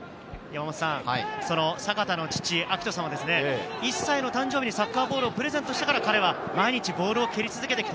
阪田の父・あきとさんは１歳の誕生日にサッカーボールをプレゼントしたから、彼は毎日ボールを蹴り続けてきた。